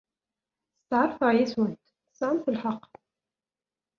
Steɛṛfeɣ yes-went tesɛamt lḥeqq.